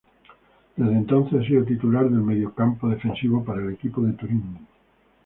Desde entonces ha sido titular en el mediocampo defensivo para el equipo de Turín.